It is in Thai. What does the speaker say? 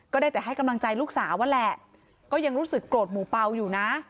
ได้แต่ให้กำลังใจลูกสาวนั่นแหละก็ยังรู้สึกโกรธหมูเป่าอยู่นะ